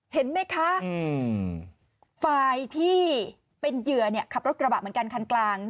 เห็นไหมคะฝ่ายที่เป็นเหยื่อขับรถกระบะเหมือนกันคันกลาง